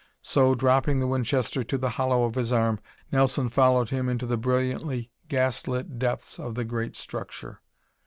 So, dropping the Winchester to the hollow of his arm, Nelson followed him into the brilliantly gas lit depths of the great structure.